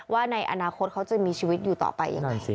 ว่าในอนาคตเขาจะมีชีวิตอยู่ต่อไปยังไง